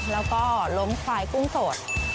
แล้วก็ล้มควายกุ้งสด